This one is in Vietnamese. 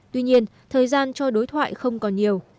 tuy nhiên thời gian cho đối thoại không còn nhiều